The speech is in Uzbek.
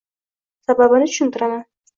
Sababini tushuntiraman.